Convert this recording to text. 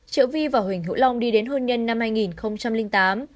triệu vi và huỳnh hiễu long đi đến hôn nhân năm hai nghìn tám